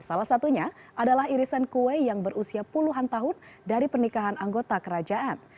salah satunya adalah irisan kue yang berusia puluhan tahun dari pernikahan anggota kerajaan